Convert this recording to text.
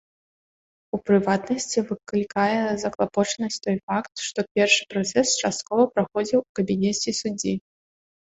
У прыватнасці, выклікае заклапочанасць той факт, што першы працэс часткова праходзіў у кабінеце суддзі.